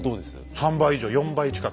３倍以上４倍近く。